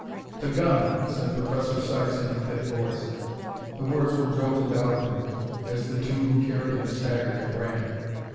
"The gun!" said Professor Sykes in a thick voice: the words were jolted out of him as the two who carried him staggered and ran.